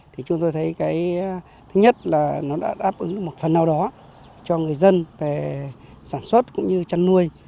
thì chúng tôi thấy cái thứ nhất là nó đã đáp ứng một phần nào đó cho người dân về sản xuất cũng như chăn nuôi